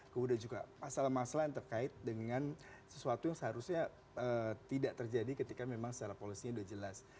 kemudian juga masalah masalah yang terkait dengan sesuatu yang seharusnya tidak terjadi ketika memang secara policy sudah jelas